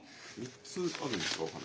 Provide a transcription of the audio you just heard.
３つあるんですか？